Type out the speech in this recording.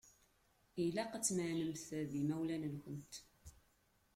Ilaq ad tmeεnemt d yimawlan-nkent.